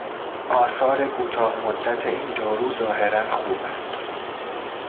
آثار کوتاه مدت این دارو ظاهرا خوب است.